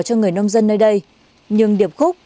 cho người nông dân nơi đây nhưng điệp khúc